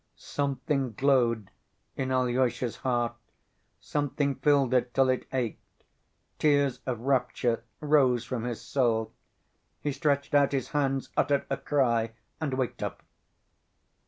Something glowed in Alyosha's heart, something filled it till it ached, tears of rapture rose from his soul.... He stretched out his hands, uttered a cry and waked up.